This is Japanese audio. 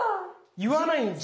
言わないんですね。